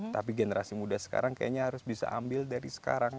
tapi generasi muda sekarang kayaknya harus bisa ambil dari sekarang